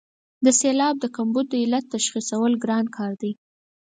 د سېلاب د کمبود د علت تشخیصول ګران کار دی.